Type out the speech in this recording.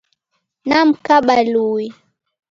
Namkaba luwi